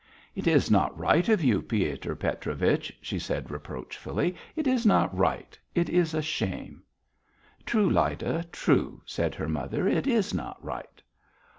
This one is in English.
"It is not right of you, Piotr Petrovich," she said reproachfully. "It is not right. It is a shame." "True, Lyda, true," said her mother. "It is not right."